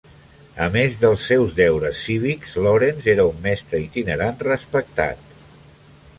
A més dels seus deures cívics, Lawrence era un mestre itinerant respectat.